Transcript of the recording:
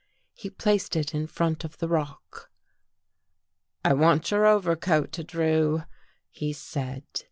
He placed it in front of the rock. " I want your overcoat. Drew," he said.